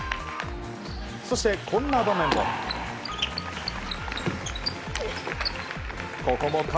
そして、こんな場面も。